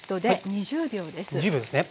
２０秒ですね。